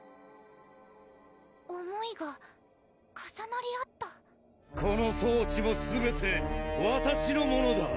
思いが重なり合ったこの装置もすべてわたしのものだ！